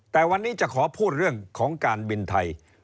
แต่วันนี้จะขอพูดเรื่องของการบินไทย